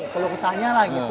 keluksannya lah gitu